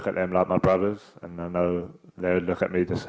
saya melihat mereka seperti adik beradik saya dan mereka melihat saya sama